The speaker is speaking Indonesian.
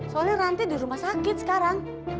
soalnya ranti di rumah sakit sekarang